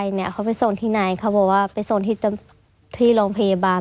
เรื่องชนสูตรส่วนนี่คืออะไรเขาเคยถามไหมไม่เคยถาม